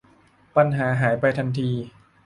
ปัญหาหายไปทันที